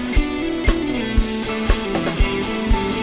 โลกใบเดิมของฉันเปลี่ยนไป